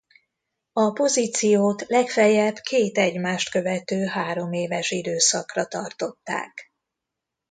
A pozíciót legfeljebb két egymást követő hároméves időszakra tartották.